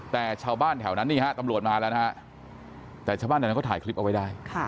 แต่ชาวบ้านแถวนั้นนี่ฮะตำรวจมาแล้วนะฮะแต่ชาวบ้านแถวนั้นเขาถ่ายคลิปเอาไว้ได้